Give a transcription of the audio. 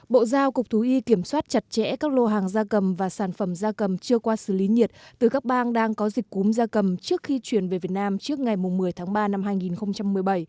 bộ giao cục thú y kiểm soát chặt chẽ các lô hàng da cầm và sản phẩm da cầm chưa qua xử lý nhiệt từ các bang đang có dịch cúm da cầm trước khi chuyển về việt nam trước ngày một mươi tháng ba năm hai nghìn một mươi bảy